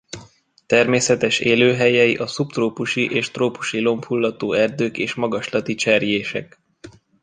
Természetes élőhelyei a szubtrópusi és trópusi lombhullató erdők és magaslati cserjések.